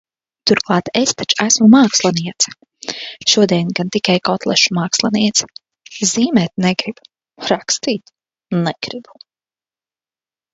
Turklāt es taču esmu māksliniece! Šodien gan tikai kotlešu māksliniece. Zīmēt negribu, rakstīt negribu.